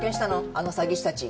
あの詐欺師たち。